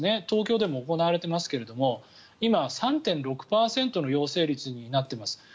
東京でも行われていますけど今、３．６％の陽性率になっています。